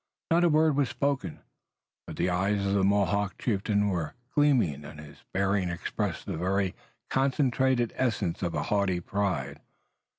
Not a word was spoken, but the eyes of the Mohawk chieftain were gleaming, and his bearing expressed the very concentrated essence of haughty pride.